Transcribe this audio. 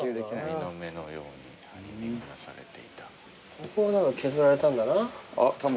ここはだから削られたんだな。